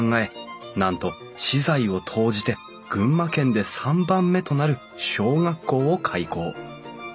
なんと私財を投じて群馬県で３番目となる小学校を開校。